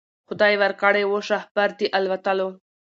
خدای ورکړی وو شهپر د الوتلو